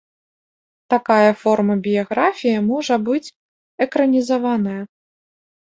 Такая форма біяграфіі можа быць экранізаваная.